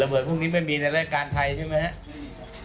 เบิดพวกนี้ไม่มีในรายการไทยใช่ไหมครับ